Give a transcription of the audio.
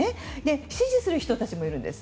支持する人たちもいるんです。